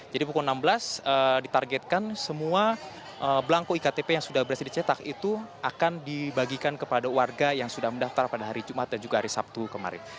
jadi pukul enam belas ditargetkan semua belangku iktp yang sudah berhasil dicetak itu akan dibagikan kepada warga yang sudah mendaftar pada hari jumat dan juga hari sabtu kemarin